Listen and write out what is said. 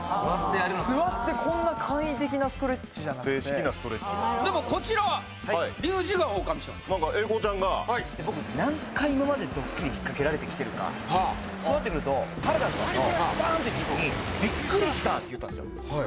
座ってこんな簡易的なストレッチじゃなくて正式なストレッチでもこちらは龍二がオオカミ少年何か英孝ちゃんが僕何回今までドッキリ引っ掛けられてきてるかそうなってくると原田さんのバーンっていったときにって言ったんですよ